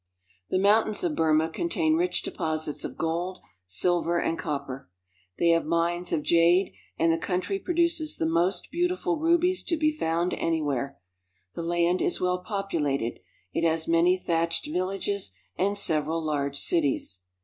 The mountains of Burma contain rich deposits of gold, silver, and copper. They have mines of jade, and the coun try produces the most beautiful rubies to be found any where. The land is well populated. It has many thatched villages and several large cities.